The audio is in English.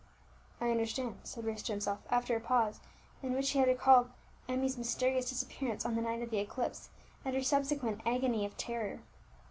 "I understand," said Bruce to himself, after a pause in which he had recalled Emmie's mysterious disappearance on the night of the eclipse, and her subsequent agony of terror.